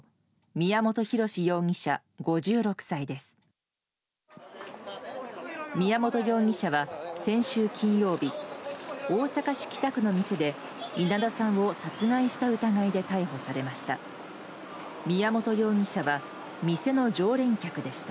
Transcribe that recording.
宮本容疑者は先週金曜日大阪市北区の店で、稲田さんを殺害した疑いで逮捕されました。